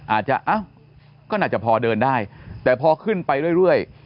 อาจจะเอ้าก็น่าจะพอเดินได้แต่พอขึ้นไปเรื่อย